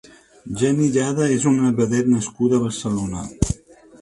Jenny Llada és una vedet nascuda a Barcelona.